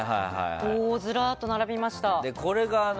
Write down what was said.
ずらっと並びました。